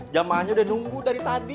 jamaahnya udah nunggu dari tadi